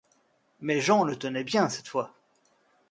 Mais Jean le tenait bien cette fois !